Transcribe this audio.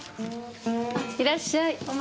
いらっしゃい。